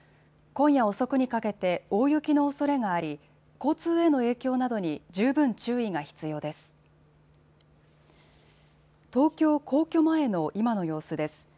今夜遅くにかけて大雪のおそれがあり交通への影響などに十分注意が必要です。